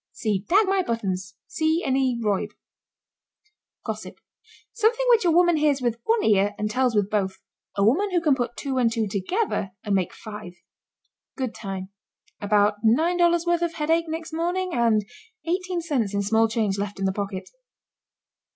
See dag my buttons! See any Reub. GOSSIP. Something which a woman hears with one ear and tells with both. A woman who can put two and two together and make five. GOOD TIME. About $9 worth of headache next morning and eighteen cents in small change left in the pocket.